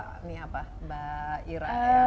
ini apa mbak ira